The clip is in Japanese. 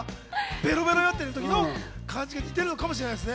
ベロベロになってる時の感じが似てるのかもしれないですね。